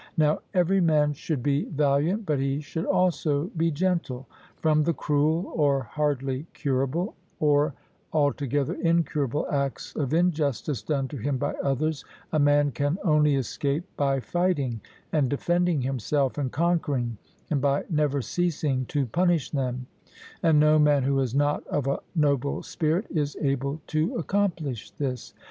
Now every man should be valiant, but he should also be gentle. From the cruel, or hardly curable, or altogether incurable acts of injustice done to him by others, a man can only escape by fighting and defending himself and conquering, and by never ceasing to punish them; and no man who is not of a noble spirit is able to accomplish this.